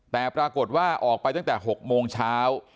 แต่ปรากฏว่าออกไปตั้งแต่๖โมงเช้า